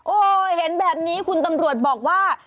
โอ้โหเห็นแบบนี้คุณตำรวจบอกว่า